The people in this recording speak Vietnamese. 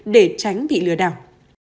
để tránh bị lừa đảo